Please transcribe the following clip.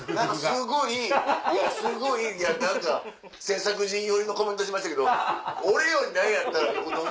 すごいいや何か制作陣寄りのコメントしましたけど俺より何やったらこの男。